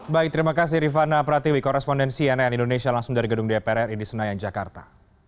baik terima kasih rifana pratiwi korespondensi nn indonesia langsung dari gedung dpr ri di senayan jakarta